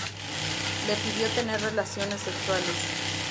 Le pidió tener relaciones sexuales.